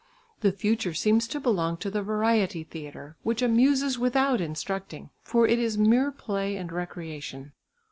The future seems to belong to the variety theatre, which amuses without instructing, for it is mere play and recreation.